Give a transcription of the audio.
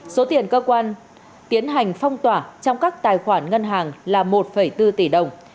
số tiền cơ quan tiến hành phong tỏa trong các tài khoản ngân hàng là một bốn tỷ đồng